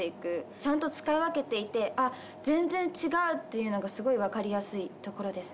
ちゃんと使い分けていてあっ全然違う！っていうのがスゴいわかりやすいところです。